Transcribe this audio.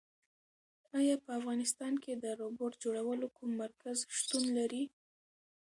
ایا په افغانستان کې د روبوټ جوړولو کوم مرکز شتون لري؟